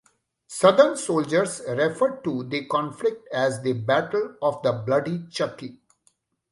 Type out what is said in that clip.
Southern soldiers referred to the conflict as the Battle of the Bloody Chucky.